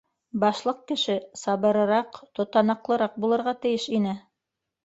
Башлыҡ кеше сабырыраҡ, тотанаҡлыраҡ булырға тейеш ине.